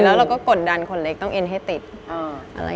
แล้วเราก็กดดันคนเล็กต้องเอ็นให้ติดอะไร